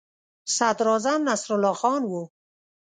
صدراعظم نصرالله خان وو.